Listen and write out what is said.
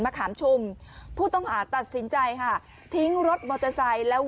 ขามชุมผู้ต้องหาตัดสินใจค่ะทิ้งรถมอเตอร์ไซค์แล้ว